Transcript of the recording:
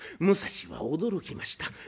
武蔵は驚きました。